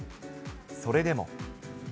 それでも。